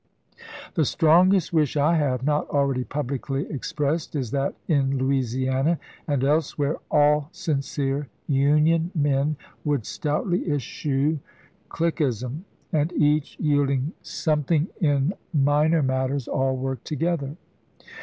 The strongest wish I have, not already publicly ex pressed, is that in Louisiana and elsewhere all sincere Union men would stoutly eschew cliquism, and, each yielding something in minor matters, all work together.